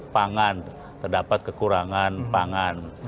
pangan terdapat kekurangan pangan